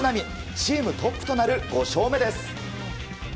チームトップとなる５勝目です。